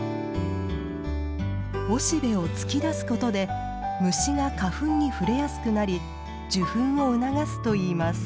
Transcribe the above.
雄しべを突き出すことで虫が花粉に触れやすくなり受粉を促すといいます。